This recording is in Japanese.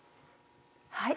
はい。